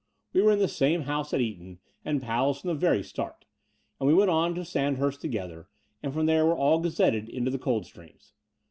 We were in the same house at Eton, and pals from the very start : and we went on to Sandhurst together, and from there were all gazetted into the Coldstreams.